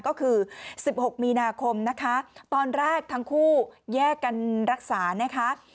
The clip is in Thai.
ก็คือ๑๖มีนาคมนะคะตอนแรกทั้งคู่แยกกันรักษานะคะ